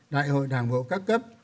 đại hội đảng bộ các cấp